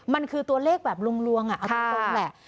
มันคือตัวเลขแบบลวงเอาตรงแหละ